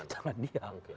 di tangan dia